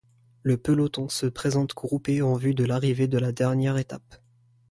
Le peloton se présente groupé en vue de l'arrivée de la dernière étape.